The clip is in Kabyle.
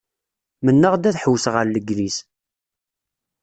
Mennaɣ-d ad ḥewwseɣ ar Legniz.